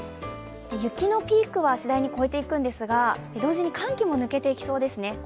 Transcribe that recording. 雪のピークはしだいに越えていくんですが、同時に寒気も抜けていきそうですね。